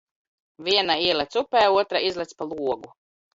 Viena ielec up?, otra izlec pa logu.